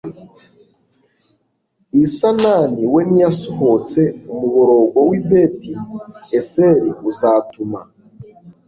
i sanani we ntiyasohotse umuborogo w i beti eseli uzatuma